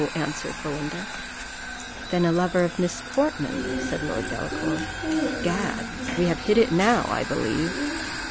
answered Belinda. "Then a lover of Miss Portman?" said Lord Delacour. "Gad! we have hit it now, I believe."